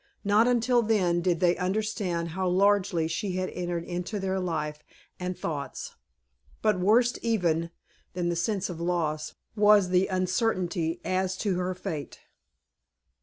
Not until then, did they understand how largely she had entered into their life and thoughts. But worse even, than the sense of loss, was the uncertainty as to her fate.